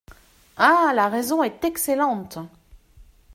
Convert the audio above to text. Ah ! la raison est excellente.